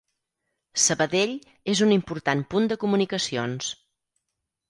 Sabadell és un important punt de comunicacions.